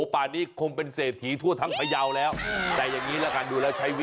ผ่านงี้คงเป็นเสถีทั่วทั้งพระเยาคมแล้ว